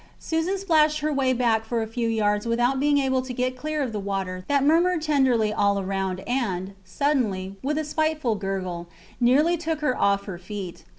Susan splashed her way back for a few yards without being able to get clear of the water that murmured tenderly all around and, suddenly, with a spiteful gurgle, nearly took her off her feet.